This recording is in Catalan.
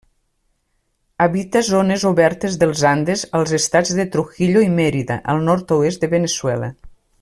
Habita zones obertes dels Andes als Estats de Trujillo i Mérida, al nord-oest de Veneçuela.